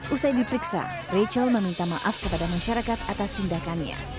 usai diperiksa rachel meminta maaf kepada masyarakat atas tindakannya